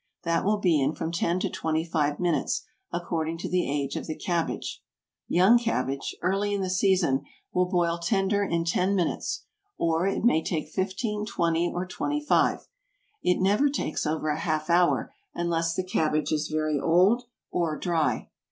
That will be in from ten to twenty five minutes, according to the age of the cabbage. Young cabbage, early in the season, will boil tender in ten minutes; or it may take 15, 20 or 25. It never takes over a half hour unless the cabbage is very old or dry.